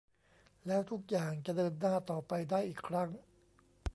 แล้วทุกอย่างจะเดินหน้าต่อไปได้อีกครั้ง